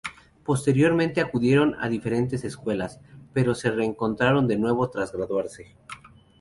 Posteriormente acudieron a diferentes escuelas, pero se reencontraron de nuevo tras graduarse.